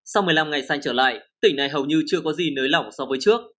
sau một mươi năm ngày xanh trở lại tỉnh này hầu như chưa có gì nới lỏng so với trước